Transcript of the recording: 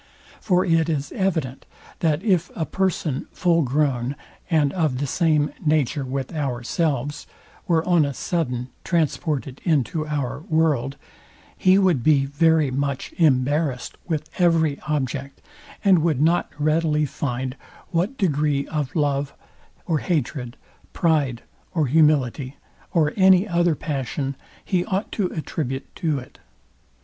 For it is evident, that if a person full grown, and of the same nature with ourselves, were on a sudden transported into our world, he would be very much embarrased with every object, and would not readily find what degree of love or hatred, pride or humility, or any other passion he ought to attribute to it.